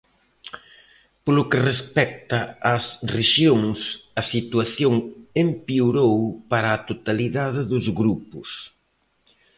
Polo que respecta ás rexións, a situación empeorou para a totalidade dos grupos.